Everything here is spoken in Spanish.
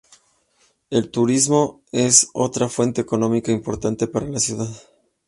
El turismo es otra fuente económica importante para la ciudad.